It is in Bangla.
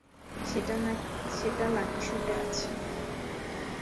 সেটা লাকি শটে আছে।